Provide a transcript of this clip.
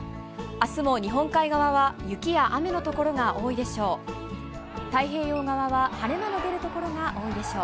明日も日本海側は雪や雨のところが多いでしょう。